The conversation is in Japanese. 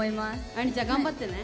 あんりちゃん、頑張ってね。